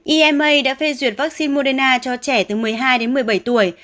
ema đã phê duyệt vắc xin moderna cho trẻ từ một mươi hai đến một mươi bảy tuổi